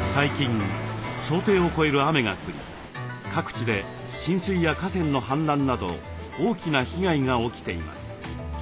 最近想定を超える雨が降り各地で浸水や河川の氾濫など大きな被害が起きています。